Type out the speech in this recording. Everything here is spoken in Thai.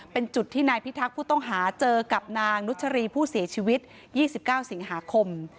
เป็นจุดที่นายพิทักษ์ผู้ต้องหาเจอกับนางนุชรีผู้เสียชีวิต๒๙สิงหาคม